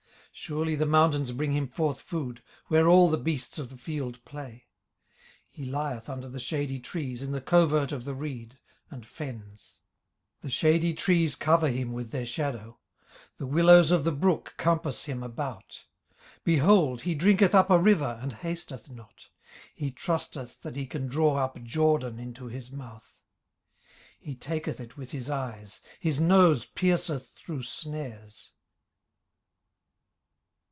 18:040:020 Surely the mountains bring him forth food, where all the beasts of the field play. 18:040:021 He lieth under the shady trees, in the covert of the reed, and fens. 18:040:022 The shady trees cover him with their shadow; the willows of the brook compass him about. 18:040:023 Behold, he drinketh up a river, and hasteth not: he trusteth that he can draw up Jordan into his mouth. 18:040:024 He taketh it with his eyes: his nose pierceth through snares.